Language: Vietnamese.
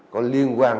có liên quan